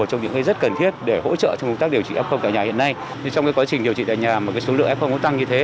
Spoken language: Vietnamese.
trong công tác điều trị f tại nhà hiện nay trong cái quá trình điều trị tại nhà mà cái số lượng f nó tăng như thế